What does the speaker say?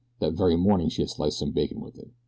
That very morning she had sliced some bacon with it.